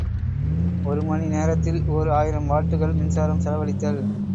ஒரு மணி நேரத்தில் ஓர் ஆயிரம் வாட்டுகள் மின்சாரம் செலவழித்தல்.